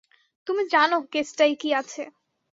তুমি জানো কেসটায় কী আছে।